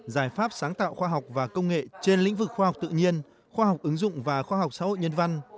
giải pháp sáng tạo khoa học và công nghệ trên lĩnh vực khoa học tự nhiên khoa học ứng dụng và khoa học xã hội nhân văn